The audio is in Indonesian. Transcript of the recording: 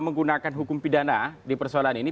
menggunakan hukum pidana di persoalan ini